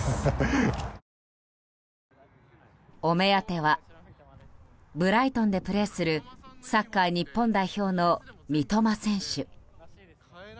お目当てはブライトンでプレーするサッカー日本代表の三笘選手。